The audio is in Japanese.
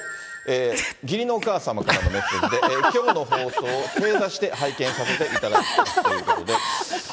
義理のお母様からのメッセージできょうの放送を正座して拝見させていただくということで。